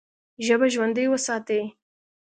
ژبه ژوندۍ وساتئ!